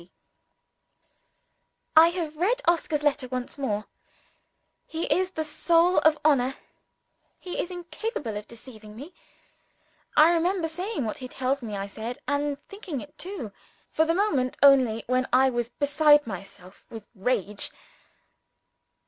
P.] I have read Oscar's letter once more. He is the soul of honor; he is incapable of deceiving me. I remember saying what he tells me I said, and thinking it too for the moment only when I was beside myself with rage.